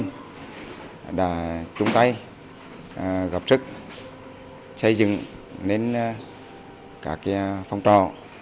bệnh nhân đã chung tay gặp sức xây dựng đến các phòng trọ